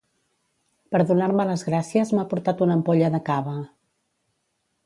Per donar-me les gràcies m'ha portat una ampolla de cava